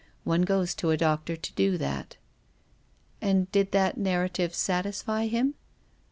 One goes to a doctor to do that." " And did that narrative satisfy him?